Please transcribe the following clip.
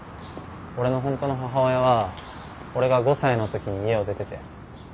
俺の本当の母親は俺が５歳の時に家を出てて。